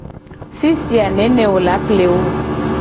Fifi a nene wo la ple wo o.